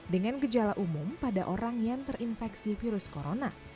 dengan gejala umum pada orang yang terinfeksi virus corona